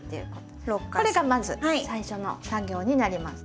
これがまず最初の作業になります。